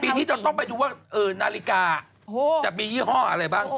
นี้จะต้องไปดูว่านาฬิกาจะมียี่ห้ออะไรบ้าง